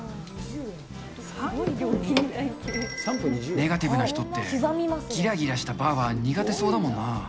ネガティブな人って、ぎらぎらしたバーは苦手そうだもんな。